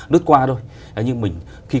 đứt qua thôi nhưng mình khi